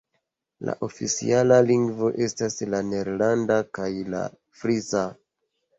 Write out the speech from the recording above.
La oficialaj lingvoj estas la nederlanda kaj la frisa.